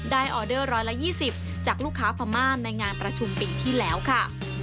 ออเดอร์๑๒๐จากลูกค้าพม่าในงานประชุมปีที่แล้วค่ะ